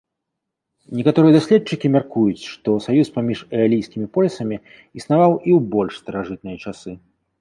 Некаторыя даследчыкі мяркуюць, што саюз паміж эалійскімі полісамі існаваў і ў больш старажытныя часы.